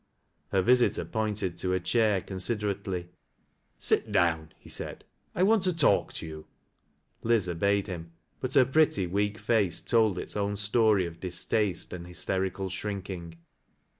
Her visitor pointed to a chair considerately. " Sil down," he said, "I want to talk to you." Li/, obeyed him ; but her pretty, weak face told its own story of distaste and hysterical shrinking.